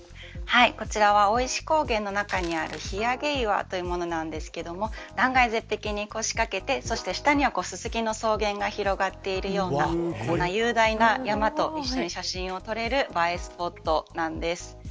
こちらは生石高原の中にあるひやげ岩というものなんですが断崖絶壁に腰掛けて下には、ススキの草原が広がっているような雄大な山と一緒に写真を撮れる映えスポットなんです。